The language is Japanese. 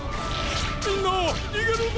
みんなにげるんだ！